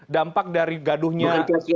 dampak dari gaduhnya